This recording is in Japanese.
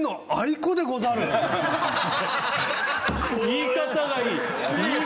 言い方がいい！